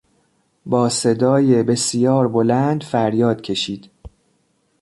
با صدای بسیار بلند فریاد کشید.